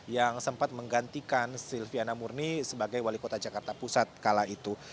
yang sempat menggantikan silviana murni sebagai wali kota jakarta pusat kala itu